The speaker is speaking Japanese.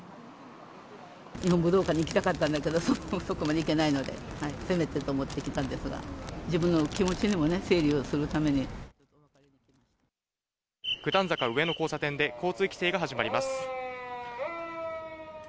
日本武道館に行きたかったんだけど、そこまで行けないので、せめてと思って来たんですが、自分の気持ちにも整理をするため九段坂上の交差点で、交通規制が始まります。